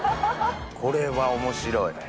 これは面白い。